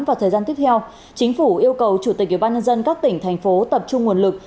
và thời gian tiếp theo chính phủ yêu cầu chủ tịch ủy ban nhân dân các tỉnh thành phố tập trung nguồn lực